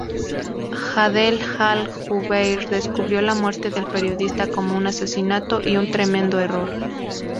Adel al-Jubeir describió la muerte del periodista como un "asesinato" y un "tremendo error".